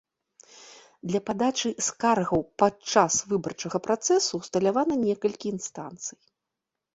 Для падачы скаргаў падчас выбарчага працэсу ўсталявана некалькі інстанцый.